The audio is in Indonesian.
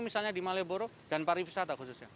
misalnya di malioboro dan pariwisata khususnya